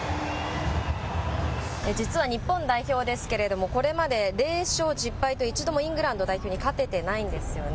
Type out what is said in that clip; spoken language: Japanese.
実は日本代表ですけれども、これまで０勝１０敗と、一度もイングランド代表に勝ててないんですよね。